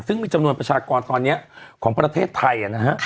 ซึ่งมีจำนวนประชากรตอนนี้ของประเทศไทยนะฮะ